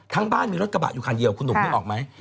ทั้งบ้านมีรถกระบะอยู่ขันเดียวคุณหนูไม่ออกไหม